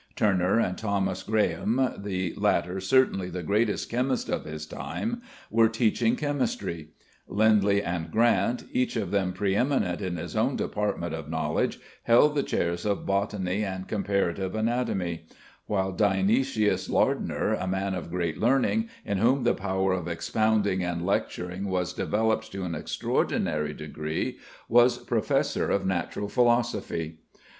Turner and Thomas Graham, the latter certainly the greatest chemist of his time, were teaching chemistry; Lindley and Grant, each of them pre eminent in his own department of knowledge, held the chairs of botany and comparative anatomy; while Dionysius Lardner, a man of great learning, in whom the power of expounding and lecturing was developed to an extraordinary degree, was professor of natural philosophy.